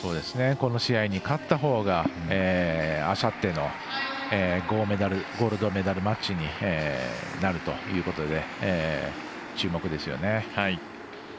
この試合に勝ったほうがあさってのゴールドメダルマッチになるということで注目ですよね。